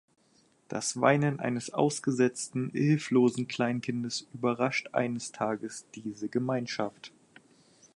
Das Weinen eines ausgesetzten hilflosen Kleinkindes überrascht eines Tages diese Gemeinschaft.